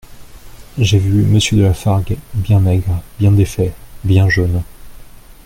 J'ai vu Monsieur de La Fargue bien maigre, bien défait, bien jaune.